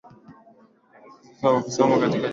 usiokoma wa watu kuhisi kutengwa na kusababisha uhalifu